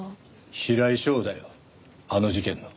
平井翔だよあの事件の。